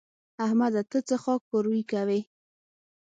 احمده! ته څه خاک ښوري کوې؟